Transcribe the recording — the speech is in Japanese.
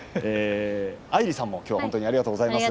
アイリさんもきょうはありがとうございます。